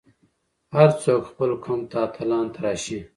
هر څوک خپل قوم ته اتلان تراشي.